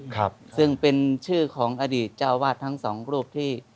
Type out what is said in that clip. ครับซึ่งเป็นชื่อของอดีตเจ้าวาดทั้งสองรูปที่